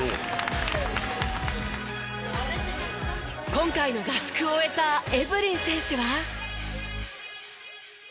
今回の合宿を終えたエブリン選手は。